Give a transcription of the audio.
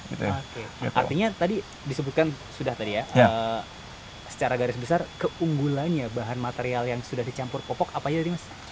oke artinya tadi disebutkan sudah tadi ya secara garis besar keunggulannya bahan material yang sudah dicampur popok apa aja sih mas